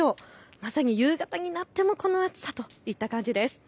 まさに夕方になってもこの暑さといった感じです。